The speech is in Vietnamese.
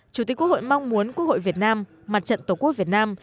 chủ tịch quốc hội mong muốn quốc hội việt nam mặt trận tổ quốc việt nam